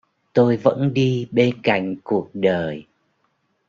Tôi vẫn đi bên cạnh cuộc đời